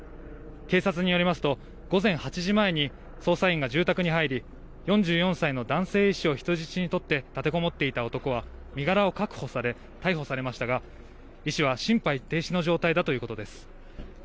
警察によりますと午前８時前に捜査員が住宅に入り４４歳の男性医師を人質に取って立てこもっていた男は身柄を確保され逮捕されましたが医師は心肺停止の状態だということです。